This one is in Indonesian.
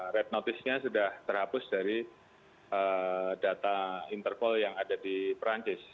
red notice nya sudah terhapus dari data interpol yang ada di perancis